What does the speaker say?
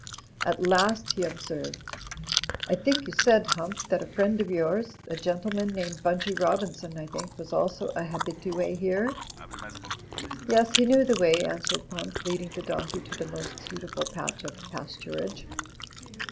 At last he observed, "I think you said, Hump, that a friend of yours — sl gentleman named Bunchy Robin son, I think — ^was also a habitue here." "Yes, he knew the way," answered Pump, leading the dorJcey to the most suitable patch of pasturage.